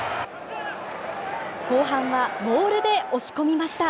後半はモールで押し込みました。